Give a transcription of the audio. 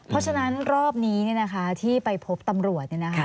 เพราะฉะนั้นรอบนี้ที่ไปพบตำรวจ